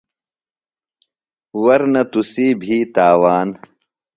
ورنہ تُسی بھی تاوان